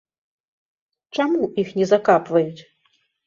Чаму іх не закапваюць?